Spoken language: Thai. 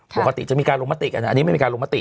ปกติจะมีการลงมติกันอันนี้ไม่มีการลงมติ